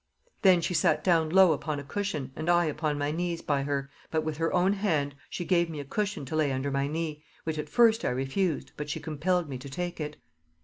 Then she sat down low upon a cushion, and I upon my knees by her, but with her own hand she gave me a cushion to lay under my knee, which at first I refused, but she compelled me to take it.